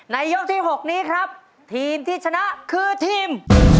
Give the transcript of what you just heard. ยกที่๖นี้ครับทีมที่ชนะคือทีม